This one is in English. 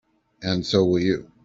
And so will you.